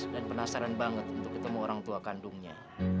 dan penasaran banget untuk ketemu orang tua kandungnya